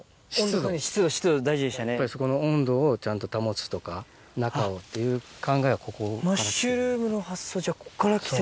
そこの温度をちゃんと保つとかっていう考えはここから来てる。